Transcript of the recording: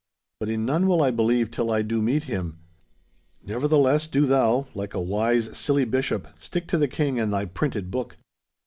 But in none will I believe till I do meet him. Nevertheless do thou, like a wise, silly bishop, stick to the King and thy printed book!